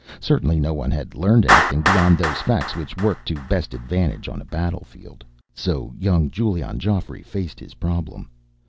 Certainly no one had learned anything beyond those facts which worked to best advantage on a battlefield. So, young Giulion Geoffrey faced his problem.